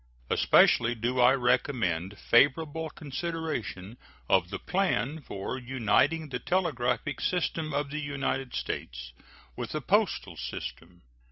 Especially do I recommend favorable consideration of the plan for uniting the telegraphic system of the United States with the postal system.